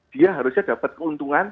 dia harusnya dapat keuntungan